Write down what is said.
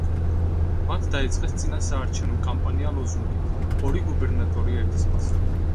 მათ დაიწყეს წინასაარჩევნო კამპანია ლოზუნგით „ორი გუბერნატორი ერთის ფასად“.